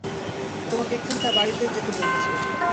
তোমাকে এক্ষুনি তাঁর বাড়িতে যেতে বলেছে।